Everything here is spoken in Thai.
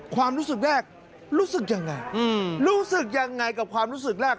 ความรู้สึกแรกรู้สึกยังไงรู้สึกยังไงกับความรู้สึกแรก